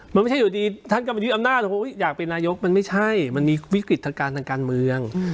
มันไม่ใช่อยู่ดีท่านก็มายึดอำนาจอยากเป็นนายกมันไม่ใช่มันมีวิกฤตทางการทางการเมือง